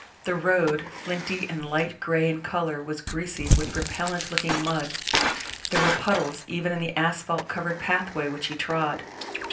The road, flinty and light grey in colour, was greasy with repellent looking mud there were puddles even in the asphalt covered pathway which he trod.